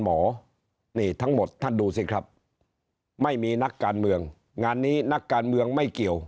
นี่ทั้งหมดท่านดูสิครับไม่มีนักการเมืองงานนี้นักการเมืองไม่เกี่ยว